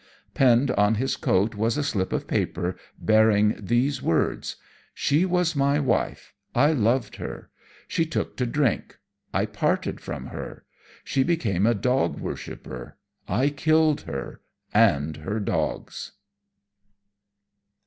Pinned on his coat was a slip of paper bearing these words: 'She was my wife I loved her. She took to drink I parted from her. She became a dog worshipper. I killed her and her dogs.'"